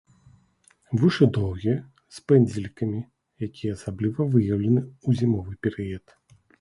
Вушы доўгія, з пэндзлікамі, якія асабліва выяўлены ў зімовы перыяд.